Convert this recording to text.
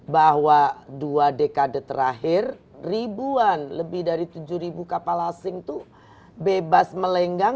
bahwa dua dekade terakhir ribuan lebih dari tujuh kapal asing itu bebas melenggang